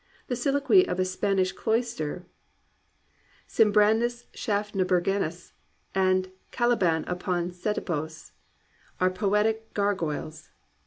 The Soliloquy in a Spanish Cloister^ Sibrandus Schaf naburgensis, and Caliban upon Setebos, are poetic gargoyles.